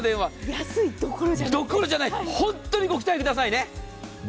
安いどころじゃない本当にご期待くださいね。